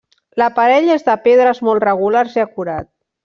L'aparell és de pedres molt regulars i acurat.